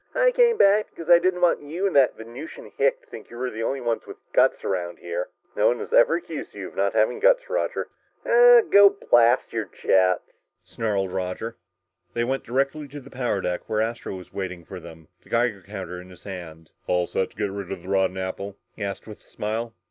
"I came back because I didn't want you and that Venusian hick to think you're the only ones with guts around here!" "No one has ever accused you of not having guts, Roger." "Ah go blast your jets," snarled Roger. They went directly to the power deck where Astro was waiting for them, the Geiger counter in his hand. "All set to get rid of the rotten apple?" he asked with a smile.